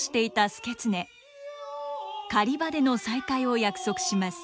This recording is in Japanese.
狩場での再会を約束します。